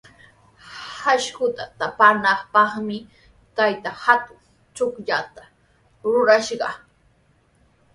Akshuta taapanapaqmi taytaa hatun chukllata rurashqa.